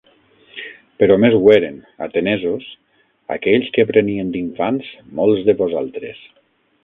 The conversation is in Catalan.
Però més ho eren, atenesos, aquells que prenien d'infants molts de vosaltres.